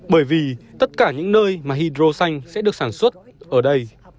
bởi vì tất cả những nơi mà hydroxanh sẽ được sản xuất ở đây